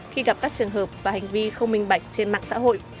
khi gặp các trường hợp và hành vi không minh bạch trên mạng xã hội